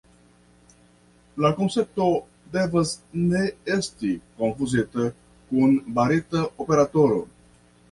La koncepto devas ne esti konfuzita kun barita operatoro.